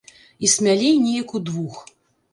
І смялей неяк удвух.